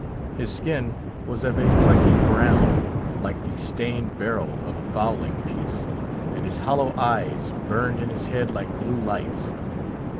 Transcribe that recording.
His skin was of a flecky brown, like the stained barrel of a fowling piece, and his hollow eyes burned in his head like blue lights.